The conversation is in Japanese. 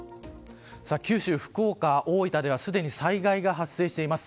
九州、福岡、大分ではすでに災害が発生しています。